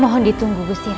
mohon ditunggu gusti raden